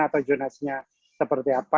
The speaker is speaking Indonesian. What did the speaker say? atau zonasinya seperti apa